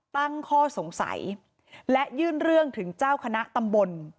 ตั้งข้อสงสัยและยื่นเรื่องถึงเจ้าคณะตำบล